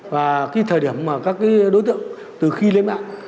và cái thời điểm mà các cái đối tượng từ khi lên mạng